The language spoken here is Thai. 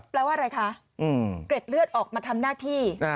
แปลว่าอะไรคะเกร็ดเลือดออกมาทำหน้าที่